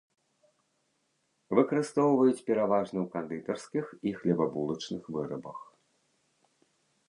Выкарыстоўваюць пераважна ў кандытарскіх і хлебабулачных вырабах.